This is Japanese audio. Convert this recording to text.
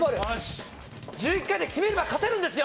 １１回で決めれば勝てるんですよ。